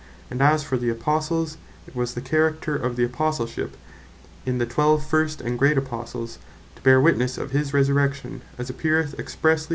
And as for the Apostles, it was the character of the Apostleship, in the twelve first and great Apostles, to bear Witnesse of his Resurrection; as appeareth expressely (Acts 1.